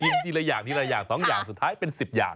ทีละอย่างทีละอย่าง๒อย่างสุดท้ายเป็น๑๐อย่าง